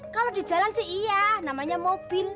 kalau di jalan sih iya namanya mobil